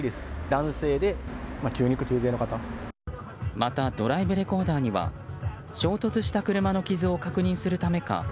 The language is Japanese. また、ドライブレコーダーには衝突した車の傷を確認するためか